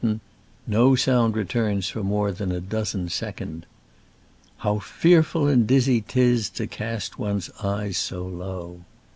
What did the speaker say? Tiefenmatten — no sound returns for more than a dozen seconds. How fearful And dizzy 'tis to cast one's eyes so low